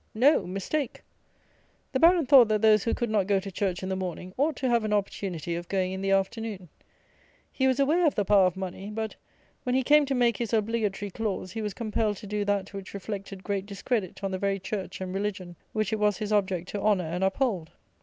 No: mistake. The Baron thought that those who could not go to church in the morning ought to have an opportunity of going in the afternoon. He was aware of the power of money; but, when he came to make his obligatory clause, he was compelled to do that which reflected great discredit on the very church and religion, which it was his object to honour and uphold.